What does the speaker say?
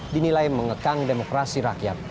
dinilai mengekang demokrasi rakyat